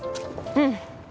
うん。